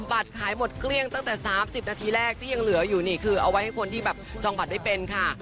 บัตรขายหมดเกลี้ยงตั้งแต่๓๐นาทีแรกที่ยังเหลืออยู่นี่คือเอาไว้ให้คนที่แบบจองบัตรได้เป็นค่ะ